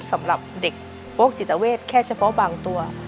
สำหรับเด็กโรคจิตเวทแค่เฉพาะบางตัว